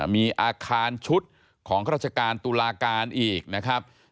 มีอาคารชุดของราชการตุลาการอีกนะครับ